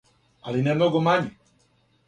Али много мање.